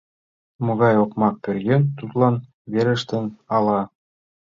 Могай окмак пӧръеҥ тудлан верештын ала?